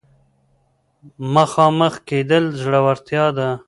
مخامخ کېدل زړورتيا ده.